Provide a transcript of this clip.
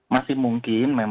masih mungkin kita akan mencari